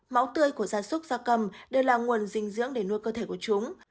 máu tươi của gia súc gia cầm đều là nguồn dinh dưỡng để nuôi cơ thể của chúng